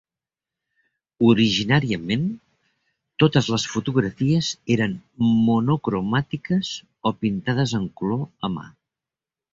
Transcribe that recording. Originàriament, totes les fotografies eren monocromàtiques o pintades en color a mà.